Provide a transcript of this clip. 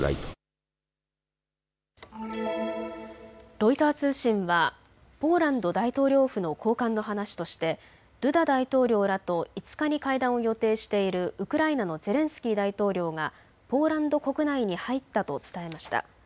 ロイター通信はポーランド大統領府の高官の話としてドゥダ大統領らと５日に会談を予定しているウクライナのゼレンスキー大統領がポーランド国内に入ったと伝えました。